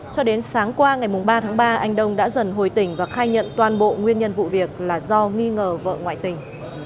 cho đến sáng qua ngày ba tháng ba anh đông đã dần hồi tỉnh và khai nhận toàn bộ nguyên nhân vụ việc là do nghi ngờ vợ ngoại tình